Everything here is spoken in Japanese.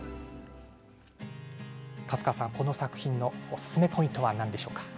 粕川さん、この作品のおすすめポイントは何でしょうか。